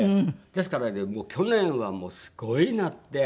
ですからね去年はもうすごいなって。